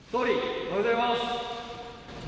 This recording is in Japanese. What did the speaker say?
おはようございます。